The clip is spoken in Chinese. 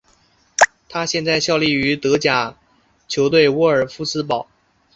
他现在效力于德甲球队沃尔夫斯堡。